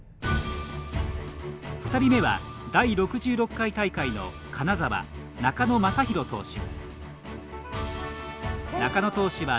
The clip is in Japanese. ２人目は第６６回大会の金沢・中野真博投手。